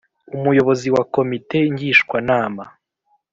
Umuyobozi wa komite ngishwanama